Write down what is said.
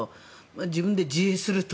自分で自衛すると。